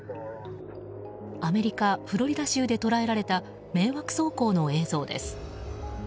アメリカ・フロリダ州で捉えられた、迷惑走行の映像です。